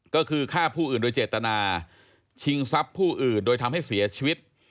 ก็คือฆ่าผู้อื่นโดยเจตนาชิงทรัพย์ผู้อื่นโดยทำให้เสียชีวิต